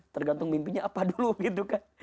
tergantung mimpinya apa dulu gitu kan